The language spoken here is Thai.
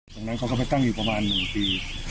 ตรงนั้นเค้าก็ไปตั้งอยู่ประมาณ๑ปี